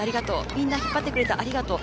みんな引っ張ってくれてありがとう。